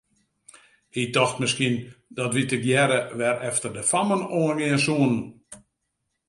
Hy tocht miskien dat wy tegearre wer efter de fammen oan gean soene.